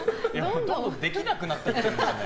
どんどんできなくなってってるんですよね。